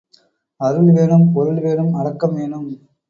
அருள் வேணும் பொருள் வேணும் அடக்கம் வேணும்.